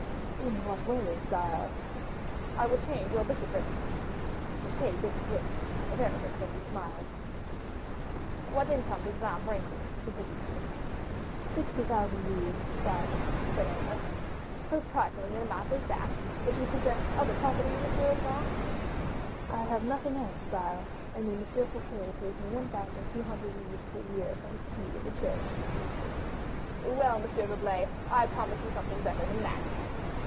"In what way, sire?" "I will change your bishopric." Fouquet bit his lips, but Aramis only smiled. "What income does Vannes bring you in?" continued the king. "Sixty thousand livres, sire," said Aramis. "So trifling an amount as that; but you possess other property, Monsieur de Vannes?" "I have nothing else, sire; only M. Fouquet pays me one thousand two hundred livres a year for his pew in the church." "Well, M. d'Herblay, I promise you something better than that."